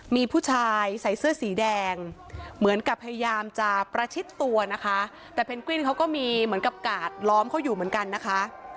มีผู้ชายใส่เสื้อสีแดงเหมือนกับพยายามจะประชิดตัวนะคะแต่เพนกวินเขาก็มีเหมือนกับกาดล้อมเขาอยู่เหมือนกันนะคะ